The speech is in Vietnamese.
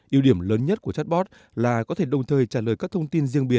yêu điểm lớn nhất của chatbot là có thể đồng thời trả lời các thông tin